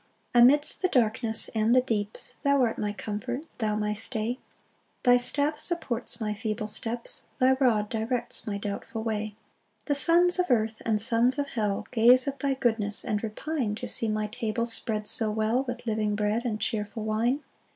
5 Amidst the darkness and the deeps Thou art my comfort, thou my stay; Thy staff supports my feeble steps, Thy rod directs my doubtful way. 6 The sons of earth and sons of hell Gaze at thy goodness and repine To see my table spread so well With living bread and cheerful wine.